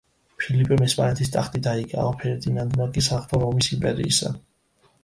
ფილიპემ ესპანეთის ტახტი დაიკავა, ფერდინანდმა კი საღვთო რომის იმპერიისა.